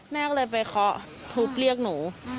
แม่ก็เลยไปเคาะทุบเรียกหนู